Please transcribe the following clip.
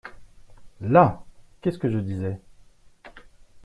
Là !… qu’est-ce que je disais ?